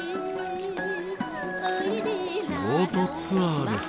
ボートツアーです。